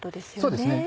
そうですね